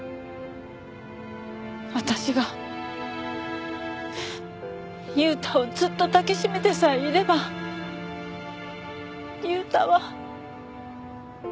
私が悠太をずっと抱きしめてさえいれば悠太は。